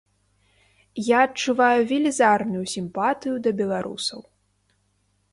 Я адчуваю велізарную сімпатыю да беларусаў.